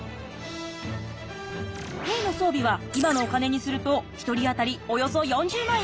兵の装備は今のお金にすると１人当たりおよそ４０万円。